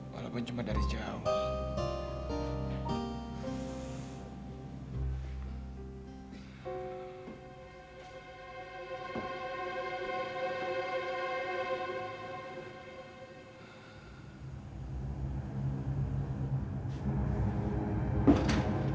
walaupun cuma dari jauh